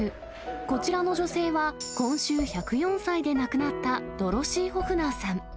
こちらの女性は、今週１０４歳で亡くなったドロシー・ホフナーさん。